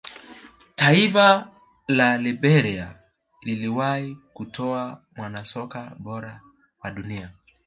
taifa la liberia liliwahi kutoa mwanasoka bora wa dunia